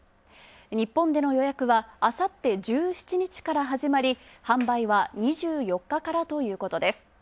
日本での予約はあさって１７日から始まり、販売は２４日からということです。